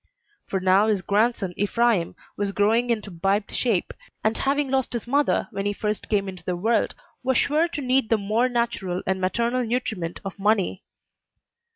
For now his grandson Ephraim was growing into biped shape, and having lost his mother when he first came into the world, was sure to need the more natural and maternal nutriment of money.